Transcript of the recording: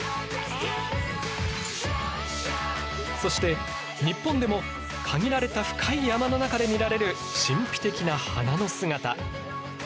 そして日本でも限られた深い山の中で見られる神秘的な花の姿。